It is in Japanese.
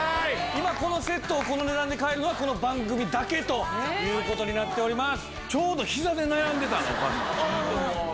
今このセットをこの値段で買えるのはこの番組だけという事になっております。